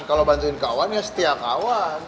kalau bantuin kawan ya setia kawan